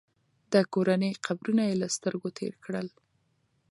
د کورنۍ قبرونه یې له سترګو تېر کړل.